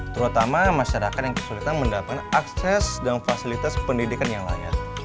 terutama masyarakat yang kesulitan mendapatkan akses dan fasilitas pendidikan yang layak